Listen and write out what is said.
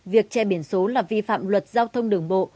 việc che biển số là vi phạm luật giao thông đường bộ